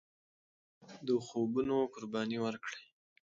د خوبونو قرباني ورکړئ.